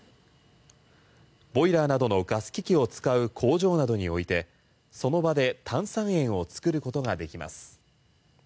ボイラーなどのガス機器を使う工場などにおいてその場で炭酸塩を作ることができます。